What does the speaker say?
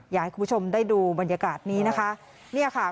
อยากให้คุณผู้ชมได้ดูบรรยากาศนี้นะคะเนี่ยค่ะ